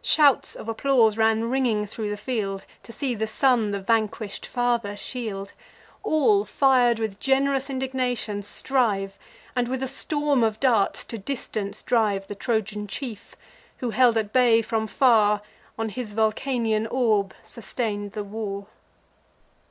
Shouts of applause ran ringing thro' the field, To see the son the vanquish'd father shield. All, fir'd with gen'rous indignation, strive, And with a storm of darts to distance drive The Trojan chief, who, held at bay from far, On his Vulcanian orb sustain'd the war.